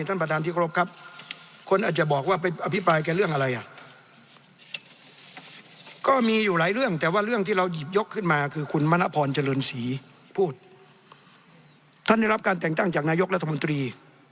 ท่านในรับการแต่งตั้งจากนายกรัฐมนตรี